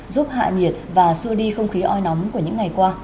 giúp hạ nhiệt và xua đi không khí oi nóng của những ngày qua